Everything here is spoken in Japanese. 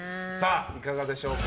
いかがでしょうか？